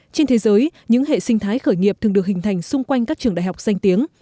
trên thế giới những hệ sinh thái khởi nghiệp thường được hình thành xung quanh các trường đại học danh tiếng